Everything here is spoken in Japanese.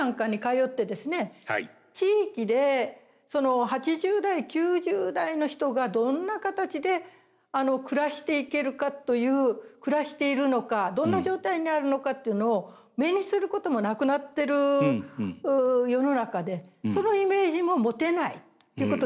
地域で８０代９０代の人がどんな形で暮らしていけるかという暮らしているのかどんな状態にあるのかっていうのを目にすることもなくなってる世の中でそのイメージも持てないっていうことですね。